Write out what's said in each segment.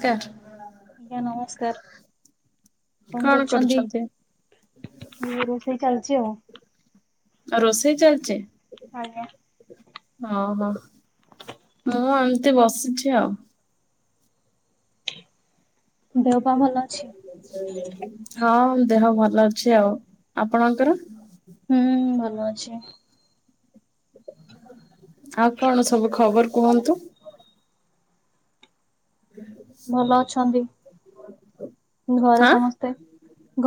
କାଟ୍ ଆଜ୍ଞା ନମସ୍କାର କଣ କରୁଛନ୍ତି? ଏଇ ରୋଷେଇ ଚାଲିଛି ଆଉ। ରୋଷେଇ ଚାଲଚି। ଆଜ୍ଞା। ଅ ହୋ ମୁଁ ଏମିତି ବସିଛି ଆଉ। ଦେହ ପା ଭଲ ଅଛି। ହଁ ଦେହ ଭଲ ଅଛି ଆଉ। ଆପଣଙ୍କର? ହୁଁ ଭଲ ଅଛି। ଆଉ କଣ ସବୁ ଖବର କୁହନ୍ତୁ। ଭଲ ଅଛନ୍ତି ଘରେ ହାଁ ସମସ୍ତେ।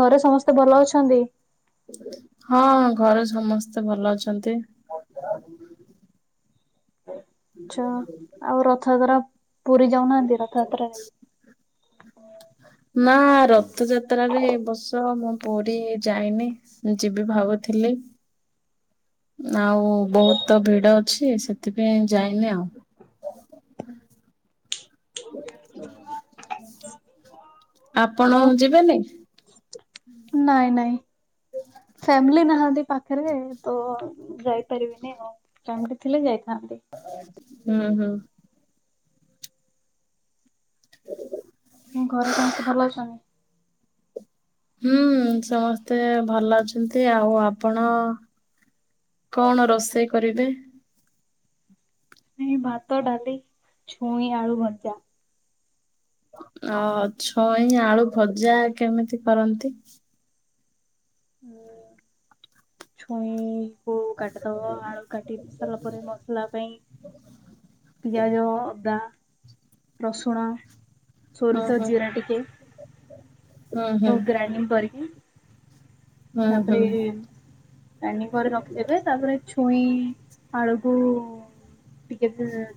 ଘରେ ସମସ୍ତେ ଭଲ ଅଛନ୍ତି? ହଁ ଘରେ ସମସ୍ତେ ଭଲ ଅଛନ୍ତି। ଆଛା ଆଉ ରଥଯାତ୍ରା ପୁରୀ ଯାଉନାହାନ୍ତି ରଥଯାତ୍ରାରେ? ନା ରଥଯାତ୍ରାରେରେ ଏ ବସ ମୁଁ ପୁରୀ ଯାଇନି। ଯିବି ଭାବୁଥିଲି। ଆଉ ବହୁତ ଭିଡ ଅଛି ସେଥିପାଇଁ ଯାଇନି ଆଉ। ଆପଣ ଆଉ ଯିବେନି? ନାଇଁ ନାଇଁ। ଫ୍ୟାମିଲି ନାହାନ୍ତି ପାଖରେ ତ ଯାଇପାରିବିନି ଆଉ। ଫ୍ୟାମିଲି ଥିଲେ ଯାଇଥାନ୍ତି। ହୁଁ ହୁଁ। ଘରେ ସମସ୍ତେ ଭଲ ଅଛନ୍ତି? ହୁଁ ସମସ୍ତେ ଭଲ ଅଛନ୍ତି ଆଉ ଆପଣ କଣ ରୋଷେଇ କରିବେ? ଇ ଭାତ ଡାଲି ଛୁଇଁ ଆଳୁ ଭଜା। ଅ ଛଇଁ ଆଳୁ ଭଜା କେମିତି କରନ୍ତି? ହୁଁ ଛୁଇଁ ଓଉ କାଟିଦବ ଆଳୁ କାଟି ସାରିଲା ପରେ ମସଲା ପାଇଁ ପିଆଜ, ଅଦା, ରସୁଣ ହୁଁ ସୋରିଷ ହୁଁ ଜିରା ଟିକେ ହୁଁ ହୁଁ ତକ୍ ଗ୍ରାଇଣ୍ଡିଂ କରିକି ହୁଁ ତାପରେ ହୁଁ ଗ୍ରାଇଣ୍ଡିଙ୍ଗ କରି ରଖିଦେବେ ତାପରେ ଛୁଇଁ ଆଳୁକୁ ଟିକେ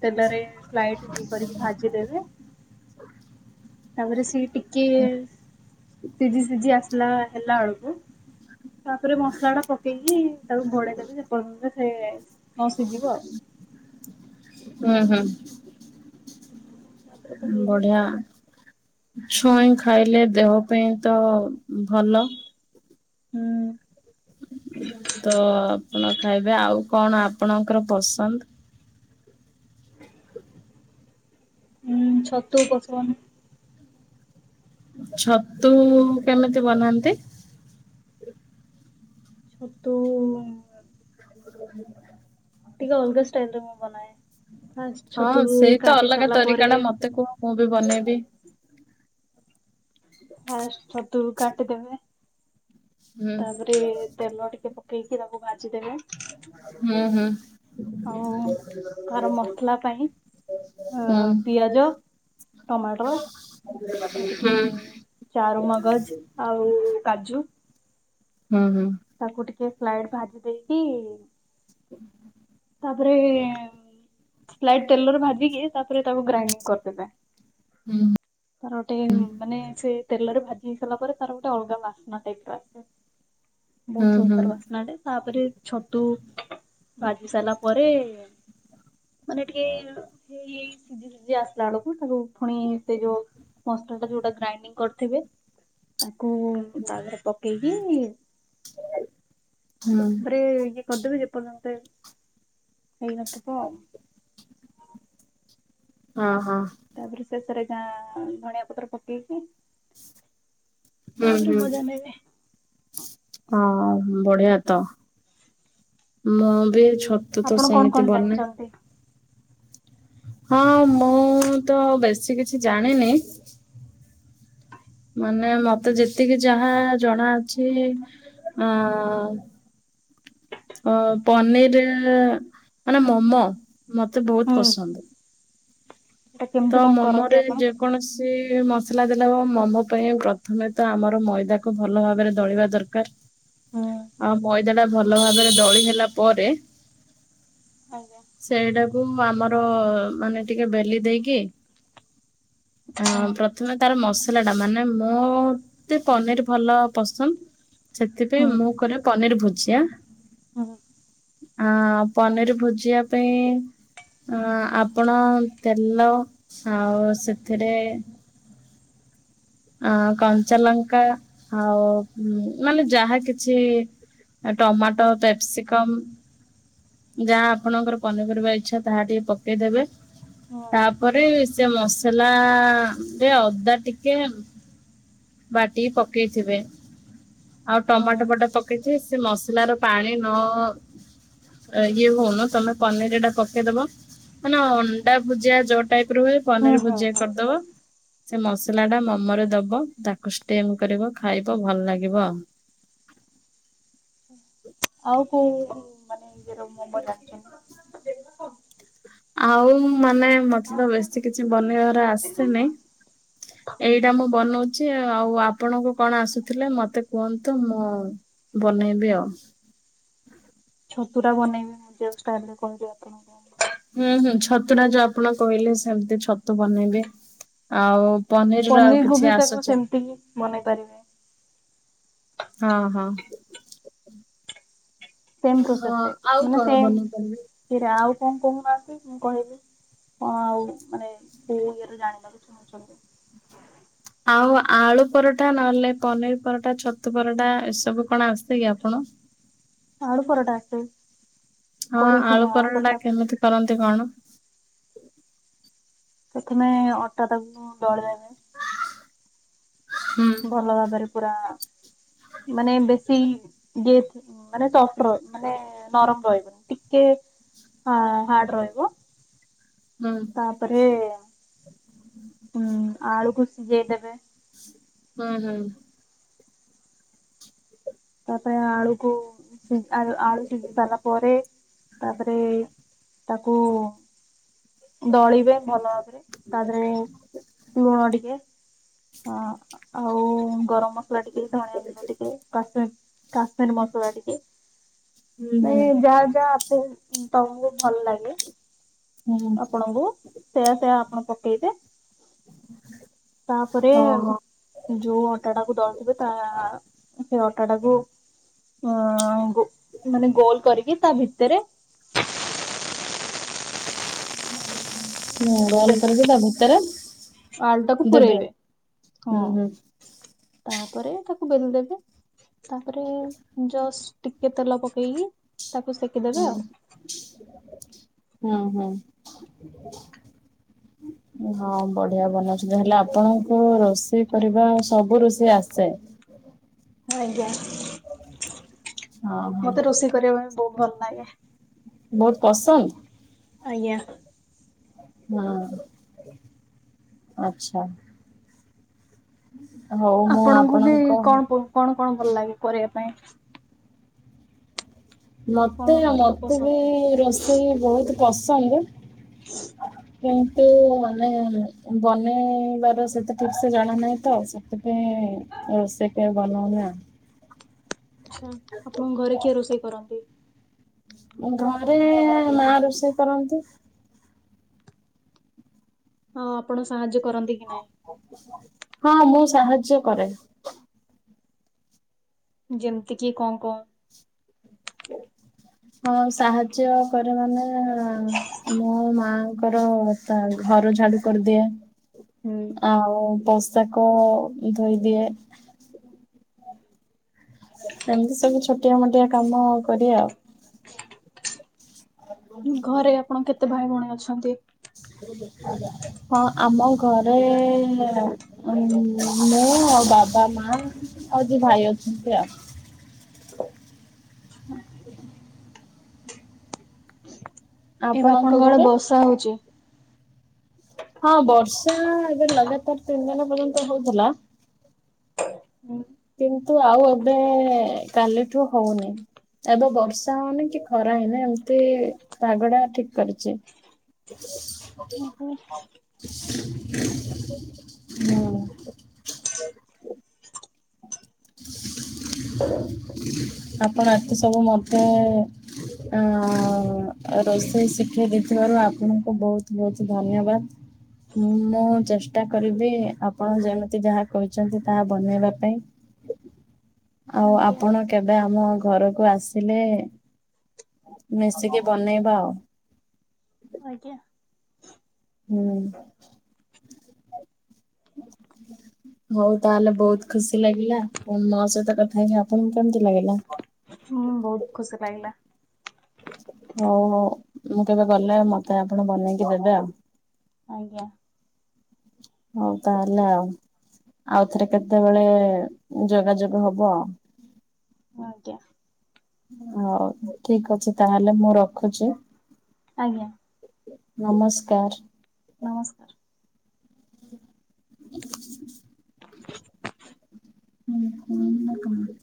ତେଲରେ ସ୍ଲାଇଡ ଇଏ କରିକି ଭାଜିଦେବେ। ତାପରେ ସି ଟିକେ ସିଝି ସିଝି ଆସିଲା ହେଲା ବେଳକୁ ତାପରେ ମସଲା ଟା ପକେଇକି ତାକୁ ଘଡେଇ ଦେବେ ଯେପର୍ଯ୍ୟନ୍ତ ସେ ନ ସିଝିବ ଆଉ। ହୁଁ ହୁଁ ତାପରେ ତ ହେଇଯିବ ଆଉ ବଢିଆ। ଛୁଇଁ ଖାଇଲେ ଦେହ ପାଇଁ ତ ଭଲ। ହୁଁ। ତ ଆପଣ ଖାଇବେ ଆଉ କଣ ଆପଣଙ୍କର ପସନ୍ଦ? ହୁଁ ଛତୁ ପସନ୍ଦ୍। ଛତୁ କେମିତି ବନାନ୍ତି? ଛତୁ ହ [inaudible] ଟିକ ଅଲଗା ଷ୍ଟାଇଲରେ ମୁଁ ବନାଏ। ଫାଷ୍ଟ ହଁ ଛତୁକୁ ସେଇ ତ କାଟି ଅଲଗା ସାରିଲା ପରେ ତରିକା ଟା ମତେ କୁହ ମୁଁ ବି ବନେଇବି। ଫାଷ୍ଟ ଛତୁ କୁ କାଟିଦେବେ। ହୁଁ ତାପରେ ତେଲ ଟିକେ ପକେଇକି ତାକୁ ଭାଜିଦେବେ। ହୁଁ ହୁଁ। ଆଉ ତାର ମସଲା ପାଇଁ ଅ ପିଆଜ। ଟମାଟୋର ଆଉ ହୁଁ ହୁଁ ଟିକେ ଚାରୁ ମଗଜ। ଆଉ କାଜୁ। ହୁଁ ହୁଁ। ତାକୁ ଟିକେ ଫ୍ଲାଇଡ୍ ଭାଜି ଦେଇକି। [inaudible] ତାପରେ ସ୍ଲାଇଟ ତେଲରେ ଭାଜିକି ତାପରେ ତାକୁ ଗ୍ରାଇଣ୍ଡିଙ୍ଗ କରିଦେବେ। ହୁଁ। ତାର ଗୋଟେ ମାନେ ସେ ତେଲରେ ଭାଜି ହେଇସାରିଲା ପରେ ତାର ଗୋଟେ ଅଲଗା ବାସ୍ନା ଟାଇପିର ଆସେ। [inaudible] ହୁଁ ବହୁତ ହୁଁ ସୁନ୍ଦର ବାସ୍ନାଟେ ତାପରେ ଛତୁ ହେଇ ସାରିଲା ପରେ ମାନେ ଟିକେ ସେ ଏଇ ସିଝି ସିଝି ଆସିଲା ବେଳକୁ ତାକୁ ପୁଣି ସେ ଯୋଉ ମସଲାଟା ଯୋଉଟା ଗ୍ରାଇଣ୍ଡିଙ୍ଗ କରିଥିବେ, ତାକୁ ତାଦେହରେ ପକେଇକି ହୁଁ ତାରେ ଇଏ କରିଦେବେ ଯେପର୍ଯ୍ୟନ୍ତ ହେଇନଥିବ ଆଉ ହଁ ହଁ। ତାପରେ ଶେଷରେ ଯା ଧଣିଆ ପତ୍ର ପକେଇକି ହୁଁ ତାପରେ ହୁଁ ମଜା ନେବେ। ହଁ ବଢିଆ ତ ମୁଁ ବି ଛୋ ତୁ ତ ଆପଣ କଣ କଣ ସେମିତି ବନା। ଜାଣିଛନ୍ତି? ହଁ ମୁଁ ତ ବେଶୀ କିଛି ଜାଣିନି। ମାନେ ମତେ ଯେତିକି ଯାହା ଜଣା ଅଛି। ଆଁ ଅ ପନିର ମାନେ ମୋମୋ ମତେ ହୁଁ ବହୁତ ପସନ୍ଦ। ସେଟା ତ କେମିତି କଣ କରନ୍ତି ମୋମରେ ଆପଣ? ଯେ କୌଣସି ମସଲା ଦେଲେ ମୋମୋ ପାଇଁ ପ୍ରଥମେ ତ ଆମର ମଇଦାକୁ ଭଲ ଭାବରେ ଦଳିବା ଦରକାର। ଆ ମଇଦାଟା ଭଲ ଭାବରେ ଦଳି ହେଲା ପରେ ଆଜ୍ଞା ସେଇଟାକୁ ଆମର ମାନେ ଟିକେ ବେଲି ଦେଇକି କେ, ପ୍ରଥମେ ତାର ମସଲାଟା ମାନେ ମୋ ମତେ ପନିର ଭଲ ପସନ୍ଦ, ସେଥିପାଇଁ ହୁଁ। ମୁଁ କରେ ପନିର ଭୁଜିଆ। ହୁଁ ହଁ ପନିର ଭୁଜିଆ ପାଇଁ ଅ ଆପଣ ତେଲ ଆଉ ସେଥିରେ ଅ କଞ୍ଚାଲଙ୍କା ଆଉ ମାନେ ଯାହା କିଛି ଏ ଟମାଟୋ କ୍ୟାପସିକମ୍ ଯାହା ଆପଣଙ୍କର ପନିପରିବା ଇଚ୍ଛା ତାହା ଟିକେ ପକେଇଦେବେ। ହୁଁ ତାପରେ ସେ ମସଲାରେ ଅଦା ଟିକେ ବାଟିକି ପକେଇଥିବେ ଆଉ ହୁଁ ଟମାଟୋ ବଟା ପ କେଇଥିବେ ସେ ମସଲାର ପାଣି ନ ଇଏ ହଉନ ତମେ ପନିରଟା ପକେଇଦବ। ମ ନା ଅଣ୍ଡା ଭୁଜିଆ ଯୋଉ ଟାଇପର ହୁଏ। ହୁଁ ପନିର ହୁଁ ଭୁଜିଆ ହୁଁ କରିଦବ ସେ ମସଲାଟା ମୋମରେ ଦବ। ତାକୁ ଷ୍ଟିମ କରିବ ଖାଇବ ଭଲ ଲାଗିବ। ଆଉ କୋଉ ମାନେ ଇର ମୋମ ଜଣିଛନ୍ତି। ଆଉ ମାନେ ମତେ ତ ବେଶୀ କିଛି ବନେଇବାର ଆସିନି ଏଇଟା ମୁଁ ବନଉଛି ଆଉ ଆପଣଙ୍କୁ କଣ ଆସୁଥିଲେ ମତେ କୁହନ୍ତୁ ମୁଁ ବନେଇବି ଆଉ ଛତୁଟା ବନେଇବି ମୁଁ ଯୋଉ ଷ୍ଟାଇଲରେ କହିଲି ଆପଣଙ୍କୁ। ହୁଁ ହୁଁ ଛତୁଟା ଯୋଉ ଆପଣ କହିଲେ ସେମତି ଛତୁ ବନେଇବେ ଆଉ ପନିରର ଆଉ ପନିରକୁ ବି କିଛି ତାକୁ ଆସୁଚି ସେମିତି ହିଁ ବନେଇ ପାରିବେ। ହଁ ହଁ। ସେମ ହଁ ପ୍ରୋସେସରେ ଆଉ ମାନେ କଣ ସେମ ବନେଇ ପାରିବି? ସେ ଆଉ କଣ କହୁନାହାନ୍ତି ମୁଁ କହିବି? କଣ ଆଉ ମାନେ କୋଉ ଇଏରେ ଜାଣିବାକୁ ଚାହିଁଛନ୍ତି। ଆଉ ଆଳୁପରଟା ନହେଲେ ପନିର ପରଟା ଛତୁ ପରଟା ଏସବୁ କଣ ଆସେ କି ଆପଣ? ଆଳୁ ପରଟା ଆସେ ହଁ କରିଛି ଆଳୁ ମୁଁ ପରଟାଟା ପରଟା। କେମିତି କରନ୍ତି କଣ? ପ୍ରଥମେ ଅଟା ତାକୁ ଦଳିଦେବେ। ହୁଁ। ଭଲ ଭାବରେ ପୁରା ମାନେ ବେଶୀ [inaudible] ମାନେ ସ ଟ୍ର ମାନେ ନରମ ରହିବନି ଟିକେ ହ ହାର୍ଡ ରହିବ। ହୁଁ ତାପରେ ଉ ଆଳୁକୁ ସିଝେଇଦେବେ। ହୁଁ ହୁଁ। ତାପ ଆଳୁକୁ ସି ଆଳୁ ଆଳୁ ସିଝି ସାରିଲା ପରେ ତାପରେ ତାକୁ ଦଳିବେ ଭଲ ଭାବରେ ତା ଦେହରେ ଲୁଣ ଟିକେ ହ ଆଉ ଗରମ ମସଲା ଟିକେ ଧଣିିଆ ଗୁଣ୍ଡ ଟିକେ କାଶମି କାଶ୍ ସ୍ମିର ମସଲା ଟିକେ ହୁଁ ହୁଁ ମାନେ ଯାହା ଯାହା ଆପ ତମକୁ ଭଲ ଲାଗେ। ହୁଁ ଆପଣଙ୍କୁ ସେୟା ସେୟା ଆପଣ ପକେଇବେ। [inaudible] ତାପରେ ଓହୋ ଯୋଉ ଅଟାଟାକୁ ଦଳିଥିବେ ତା ସେ ଅଟାଟାକୁ ଅ ଗୋ ମାନେ ଗୋଲ କରିକି ତା ଭିତରେ ହୁଁ ଗଲ କରିକି ତା ଭିତରେ ଆଳୁ ଟାକୁ ପୁରେଇବେ ଦେବେ। ହୁଁ ହଁ। ହୁଁ। ତାପରେ ତାକୁ ବେଲି ଦେବେ ତାପରେ ଜସ୍ ଟିକେ ତେଲ ପକେଇକି ତାକୁ ସେ ହଁ ହୁଁ ହୁଁ। ହଁ ବଢିଆ ବନଉଛନ୍ତି ହେଲେ ଆପଣଙ୍କୁ ରୋଷେଇ କରିବା ସବୁ ରୋଷେଇ ଆସେ। ଆଜ୍ଞା। ହଁ। ହଁ ମତେ ରୋଷେଇ କରିବା ପାଇଁ ବହୁତ ଭଲ ଲାଗେ। ବହୁତ ପସନ୍ଦ। ଆଜ୍ଞା। ହଁ ଆଚ୍ଛା। ହଉ। ମୁଁ ଆପଣଙ୍କୁ ବି ଆପଣଙ୍କ କଣ କଣ କଣ ଭଲ ଲାଗେ କରିବା ପାଇଁ। କଣ ମତେ ଅଧିକ ମତେ ପସନ୍ଦ? ବି ରୋଷେଇ ବହୁତ ପସନ୍ଦ। [inaudible] କିନ୍ତୁ ମାନେ ବନେଇବାର ସେତ ଠିକ ସେ ଜଣା ନାହିଁ ତ ସେ ଥିପାଇଁ ରୋଷେଇ କେବେ ବନଉନି ଆଉ। ଆଛା ଆପଣଙ୍କ ଘରେ କିଏ ରୋଷେଇ କରନ୍ତି। ମାନେ ଘରେ ମା ରୋଷେଇ କରନ୍ତି। ହଁ ଆପଣ ସାହାଯ୍ୟ କରନ୍ତି କି ନାହିଁ। ହଁ ମୁଁ ସାହାଯ୍ୟ କରେ। ଯେମିତି କିି ଙ୍କ ଙ୍କ ହଁ ସାହାଯ୍ୟ କରେ ମାନେ ମୋ ମା ମର ତା ଘର ଝାଡୁ କରିଦିଏ ହୁଁ। ଆଉ ପସ୍ ପୋଷାକ ଧୋଇଦିଏ। ଏମିତି ସବୁ ଛୋଟିଆ ମୋଟିଆ କାମ କରି ଆଉ। ଘରେ ଆପଣ କେତେ ଭାଇ ଭଉଣୀ ଅଛନ୍ତି। ହଁ ଆମ ଘରେ ମୁଁ ଆଉ ବାବା ମା ଆଉ ଦି ଭାଇ ଅଛନ୍ତି ଆଉ। ଏବେ ଆପଣଙ୍କ ଆଡେ ବସା ହଉଛି। ହଁ ବର୍ଷା ଏବେ ଲଗାତାର ତିନି ଦିନ ପର୍ଯ୍ୟନ୍ତ ହଉଥିଲା। ହୁଁ କିନ୍ତୁ ଆଉ ଏବେ କାଲିଠୁ ହଉନି। ଏବେ ବର୍ଷା ହଉନି କି ଖରା ହଇନି ଏମିତି ପାଗଟା ଠିକ କରିଛି। ହୁଁ। ଆପଣ ଏତେ ସବୁ ମତେ ଅ ରୋଷେଇ ଶିଖେଇ ଦେଇଥିବାରୁ ଆପଣଙ୍କୁ ବହୁତ ବହୁତ ଧନ୍ୟବାଦ। ମୁଁ ଚେଷ୍ଟା କରିବି ଆପଣ ଯେମିତି ଯାହା କହିଛନ୍ତି ତାହା ବନେଇବା ଆଉ ଆଜ୍ଞା ଆପଣ। କେବେ ଆମ ଘରକୁ ଆସିଲେ ମିଶିକି ବନେଇବା ଆଉ। ଆଜ୍ଞା। ହୁଁ [inaudible] ହଉ ତାହେଲେ ବହୁତ ଖୁସି ଲାଗିଲା ପୁଣି ମୋ ସହିତ କଥା ହେଇି ଆପଣଙ୍କୁ କେମିତି ଲାଗିଲା? ହଁ ବହୁତ ଖୁସି ଲାଗିଲା। ହଉ ମୁଁ କେବେ ଗଲେ ମତେ ଆପଣ ବନେଇକି ଦେବେ ଆଉ। ଆଜ୍ଞା। ହଉ ତା ହେଲା ଆଉ। ଆଉଥରେ କେତେବେଳେ ଯୋଗାଯୋଗ ହବ। ଆଜ୍ଞା। ହଉ ଠିକ ଅଛି ତାହେଲେ ମୁଁ ରଖୁଛି। ଆଜ୍ଞା। ନମସ୍କାର। ନମସ୍କାର। [inaudible] ହୁଁ ହଁ।